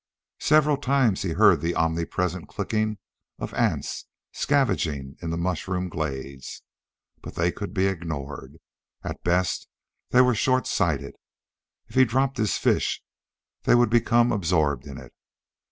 Several times he heard the omnipresent clicking of ants scavenging in the mushroom glades, but they could be ignored. At best they were short sighted. If he dropped his fish, they would become absorbed in it.